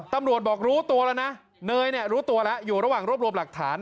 ตำรวจบอกรู้ตัวแล้วนะเนยเนี่ยรู้ตัวแล้วอยู่ระหว่างรวบรวมหลักฐาน